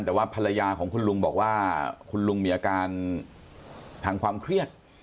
แต่ว่าภรรยาของคุณลุงบอกว่าคุณลุงมีอาการทางความเครียด